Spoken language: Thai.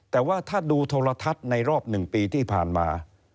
แต่ว่าถ้าดูโทรทัศน์ในรอบ๑ปีที่ผ่านมา